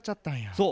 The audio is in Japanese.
そう。